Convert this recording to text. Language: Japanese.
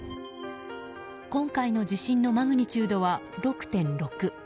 今回の地震のマグニチュードは６．６。